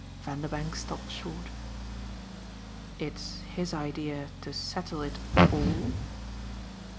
Vanderbank stopped short. "It's his idea to settle it ALL?"